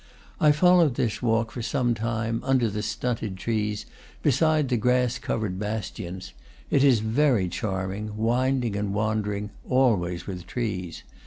I followed this walk for some time, under the stunted trees, beside the grass covered bastions; it is very charming, wind ing and wandering, always with trees.